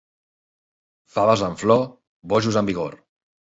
Faves en flor, bojos en vigor.